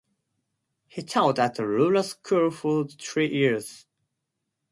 He taught at a rural school for three years.